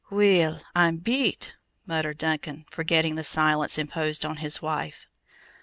"Weel, I'm beat," muttered Duncan, forgetting the silence imposed on his wife.